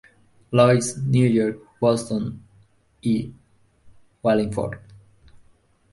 Louis, Nueva York, Boston y Wallingford.